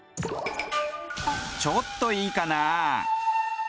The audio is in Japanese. ちょっといいかな？